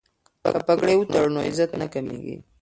که پګړۍ وتړو نو عزت نه کمیږي.